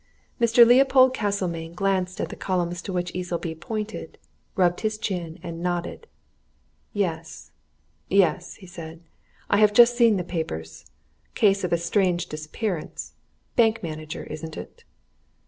Mr. Leopold Castlemayne glanced at the columns to which Easleby pointed, rubbed his chin, and nodded. "Yes yes!" he said. "I have just seen the papers. Case of a strange disappearance bank manager isn't it?"